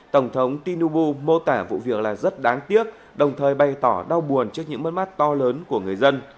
tổng thống tinubu mô tả vụ việc là rất đáng tiếc đồng thời bày tỏ đau buồn trước những mất mát to lớn của người dân